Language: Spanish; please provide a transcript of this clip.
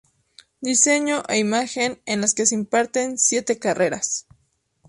Diseño e Imagen en las que se imparten siete carreras.